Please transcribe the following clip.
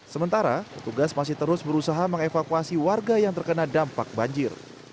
sementara petugas masih terus berusaha mengevakuasi warga yang terkena dampak banjir